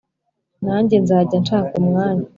nanjye nzajya nshaka umwanya